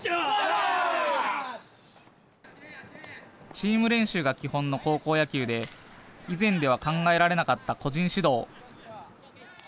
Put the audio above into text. チーム練習が基本の高校野球で以前では考えられなかった個人指導。